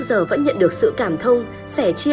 một phạm nhân phạm thủy đội một mươi chín